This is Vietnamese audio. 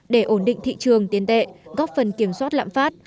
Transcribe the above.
để ổn định thị trường tiền tệ góp phần kiểm soát lãm phát